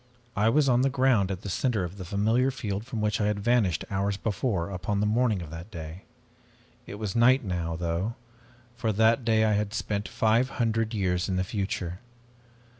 I was on the ground at the center of the familiar field from which I had vanished hours before, upon the morning of that day. It was night now, though, for that day I had spent five hundred years in the future.